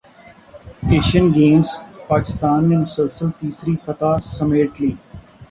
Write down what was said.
Asian Games Pakistan نے مسلسل تیسری فتح سمیٹ لی